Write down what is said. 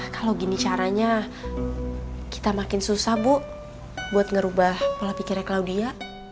kalau gini caranya kita makin susah bu buat ngerubah pola pikirnya claudia